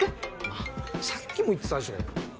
あっさっきも言ってたでしょ。